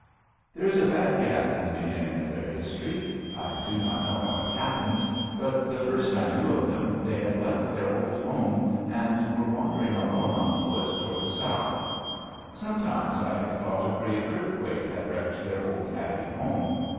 There is a bad gap in the beginning of their history. I do not know how it happened. But the first I knew of them, they had left their old home and were wandering alone on foot toward the South. Sometimes I have thought a great earthquake had wrecked their old happy home.